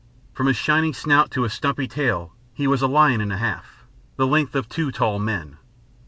From his shining snout to his stumpy tail he was a lion and a half, the length of two tall men.